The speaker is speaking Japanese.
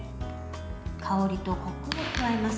香りとこくを加えます。